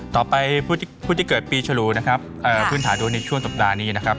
ต่อไปผู้ที่เกิดปีฉลูนะครับพื้นฐานดวงในช่วงสัปดาห์นี้นะครับ